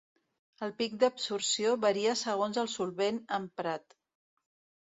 El pic d'absorció varia segons el solvent emprat.